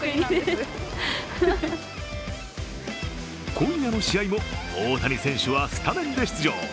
今夜の試合も大谷選手はスタメンで出場。